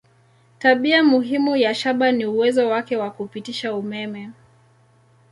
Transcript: Tabia muhimu ya shaba ni uwezo wake wa kupitisha umeme.